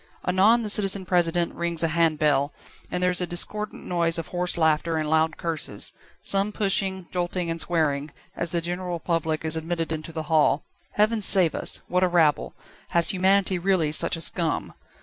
Anon the Citizen President rings a hand bell, and there is a discordant noise of hoarse laughter and loud curses, some pushing, jolting, and swearing, as the general public is admitted into the hall. Heaven save us! What a rabble! Has humanity really such a scum?